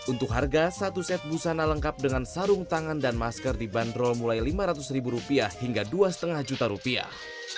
untuk harga satu set busana lengkap dengan sarung tangan dan masker dibanderol mulai lima ratus ribu rupiah hingga dua lima juta rupiah